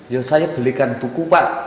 ya saya belikan buku pak